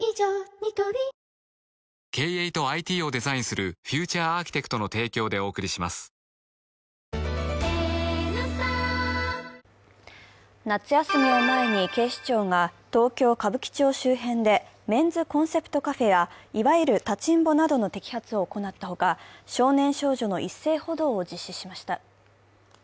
ニトリ夏休みを前に、警視庁が東京・歌舞伎町周辺で、メンズコンセプトカフェやいわゆる立ちんぼなどの摘発を行ったほか少年少女の一斉補導を実施しました。